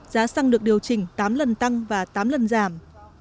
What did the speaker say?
giá xăng được điều chỉnh tám lần tăng và tám lần giảm